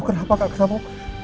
kak sampo kenapa kak sampo